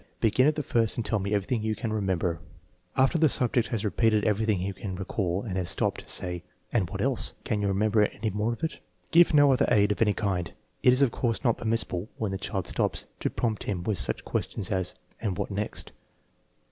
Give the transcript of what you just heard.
Begin at the first and tell everything you can remember" After the subject has repeated everything he can recall and has stopped, say: " And what else? Can you remember any more of it? " Give no other aid of any kind. It is of course not permissible, when the child stops, to prompt him with such questions as, "And what next?